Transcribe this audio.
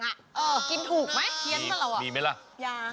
กินถูกไหมเพี้ยนกันเราอ่ะมีไหมล่ะยัง